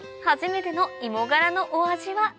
初めての芋がらのお味は？